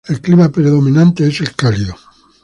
El clima predominante es el cálido.